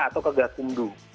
atau ke gatundu